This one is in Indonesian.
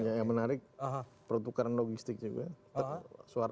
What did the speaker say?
yang menarik pertukaran logistik juga